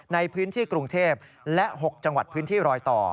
ในพื้นที่กรุงเทพและ๖จังหวัดพื้นที่รอยต่อ